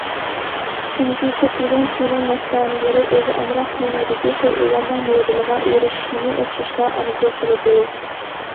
چۈنكى، كۆپلىگەن كىنو مەستانىلىرى ئۆزى ئامراق كىنودىكى شەيئىلەرنىڭ مودېلىغا ئېرىشىشنىمۇ ئوخشاشلا ئارزۇ قىلىدۇ.